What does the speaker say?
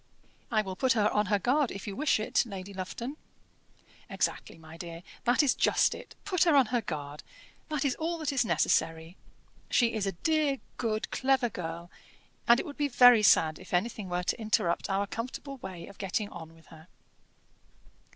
"I will put her on her guard if you wish it, Lady Lufton." "Exactly, my dear; that is just it. Put her on her guard that is all that is necessary. She is a dear, good, clever girl, and it would be very sad if anything were to interrupt our comfortable way of getting on with her."